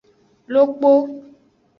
Lokpo.